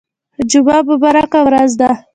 جمعه مبارکه ورځ ده